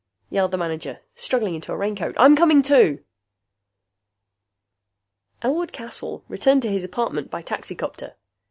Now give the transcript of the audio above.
yelled the manager, struggling into a raincoat. "I'm coming, too." Elwood Caswell returned to his apartment by taxicopter.